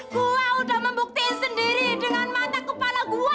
gua udah membuktiin sendiri dengan mata kepala gua